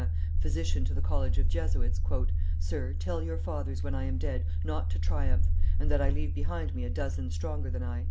Gudrin, physician to the college of Jesuits, "Sir, tell your Fathers, when I am dead, not to triumph, and that I leave behind me a dozen stronger than I."